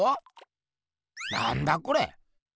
なんだこれ？